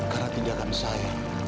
karena tindakan saya